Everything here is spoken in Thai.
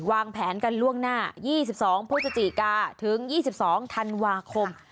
วางแผนกันล่วงหน้า๒๒พฤศจิกาถึง๒๒ธันวาคม